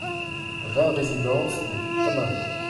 vingt résidence des Tamaris